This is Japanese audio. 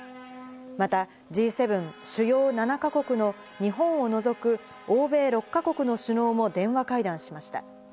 また、Ｇ７＝主要７か国の日本を除く欧米６か国の首脳も電話会談しました。